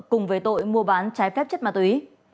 cùng về tội mua bán trái phép chất ma túy